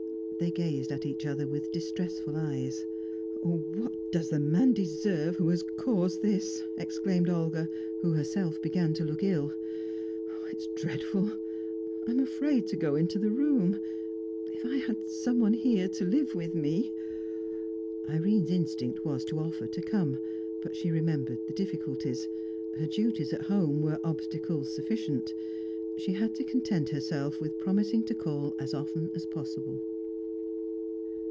They gazed at each other with distressful eyes. "Oh, what does the man deserve who has caused this?" exclaimed Olga, who herself began to look ill. "It's dreadful! I am afraid to go into the room. If I had someone here to live with me!" Irene's instinct was to offer to come, but she remembered the difficulties. Her duties at home were obstacles sufficient. She had to content herself with promising to call as often as possible.